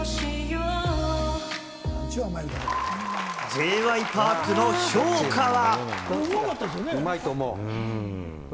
Ｊ．Ｙ．Ｐａｒｋの評価は？